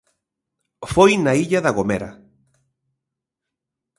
Foi na illa da Gomera.